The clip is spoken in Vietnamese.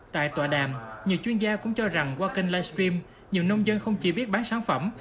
tại tòa đàm nhiều chuyên gia cũng cho rằng qua kênh livestream nhiều nông dân không chỉ biết bán sản phẩm